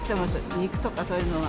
肉とかそういうのは。